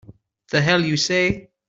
The hell you say!